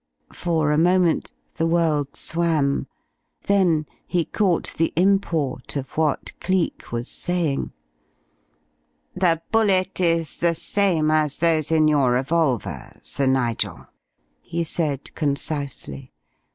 For a moment the world swam. Then he caught the import of what Cleek was saying. "The bullet is the same as those in your revolver, Sir Nigel," he said, concisely.